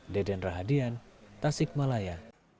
deden rahadian tasikmalaya